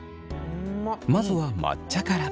まずは抹茶から。